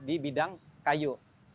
di bidang kayu